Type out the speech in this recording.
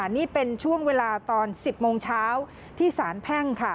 นี่เป็นช่วงเวลาตอน๑๐โมงเช้าที่สารแพ่งค่ะ